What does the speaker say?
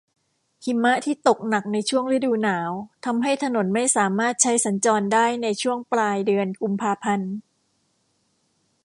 หิมะที่ตกหนักในช่วงฤดูหนาวทำให้ถนนไม่สามารถใช้สัญจรได้ในช่วงปลายเดือนกุมภาพันธ์